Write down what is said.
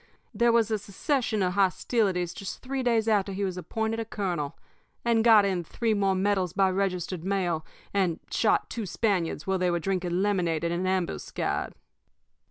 There was a secession of hostilities just three days after he was appointed a colonel, and got in three more medals by registered mail, and shot two Spaniards while they were drinking lemonade in an ambuscade.